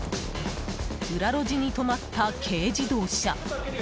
裏路地に止まった軽自動車。